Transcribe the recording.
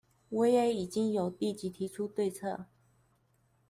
我也已經有立即提出對策